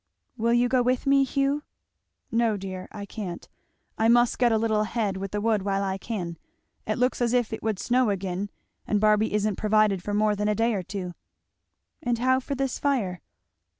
"Will you go with me, Hugh?" "No dear, I can't; I must get a little ahead with the wood while I can; it looks as if it would snow again; and Barby isn't provided for more than a day or two." "And how for this fire?"